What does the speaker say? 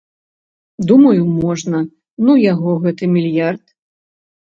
Думаю, можа, ну яго, гэты мільярд?